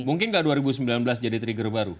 mungkin nggak dua ribu sembilan belas jadi trigger baru